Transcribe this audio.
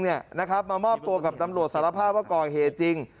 มามอบตัวกับตำรวจสารภาพว่าก่อเหตุจริง